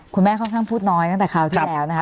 คุณแม่ค่อนข้างพูดน้อยตั้งแต่คราวที่แล้วนะคะ